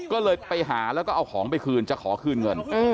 ก็เลยไปหาแล้วก็เอาของไปคืนจะขอคืนเงิน